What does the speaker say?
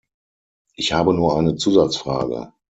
Ich habe nur eine Zusatzfrage.